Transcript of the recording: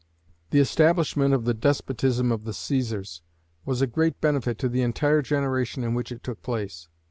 The establishment of the despotism of the Cæsars was a great benefit to the entire generation in which it took place.